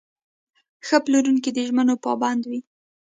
ښه پلورونکی د ژمنو پابند وي.